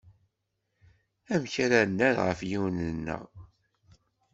Amek ara nerr ɣef yiman-nneɣ?